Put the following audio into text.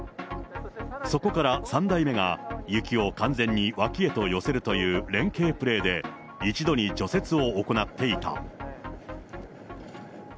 そこから３台目が雪を完全に脇へと寄せるという連係プレーで、一度に除雪を行っていた。